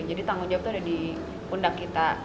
jadi tanggung jawab tuh ada di undang kita